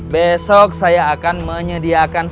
besok saya akan menyediakan